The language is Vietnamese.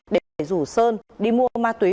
để rủ sơn đi mua ma túy